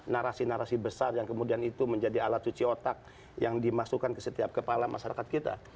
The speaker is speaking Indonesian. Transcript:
narasi narasi besar yang kemudian itu menjadi alat cuci otak yang dimasukkan ke setiap kepala masyarakat kita